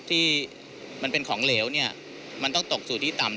ที่มันเป็นของเหลวเนี่ยมันต้องตกสู่ที่ต่ำ